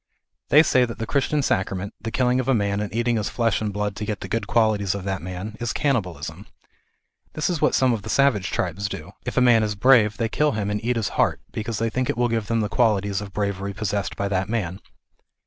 They say that the Christian sacrament, the killing of a man and eating his flesh and blood to get the good qualities of that man, is cannibalism. This is what some of the savage tribes do ; if a man is brave they kill him and eat his heart, because they think it will give them the qualities of bravery possessed by that man.